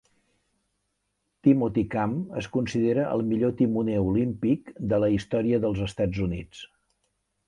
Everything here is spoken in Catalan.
Timothy Camp es considera el millor timoner olímpic de la història dels Estats Units.